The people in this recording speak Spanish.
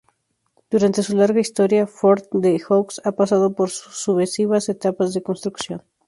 Durante su larga historia, Fort de Joux ha pasado por sucesivas etapas de construcción.